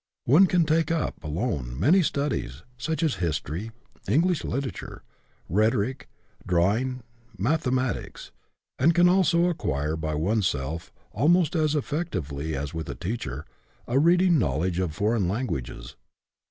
One can take up, alone, many studies, such as history, English literature, rhetoric, draw ing, mathematics, and can also acquire by one self, almost as effectively as with a teacher, a reading knowledge of foreign languages.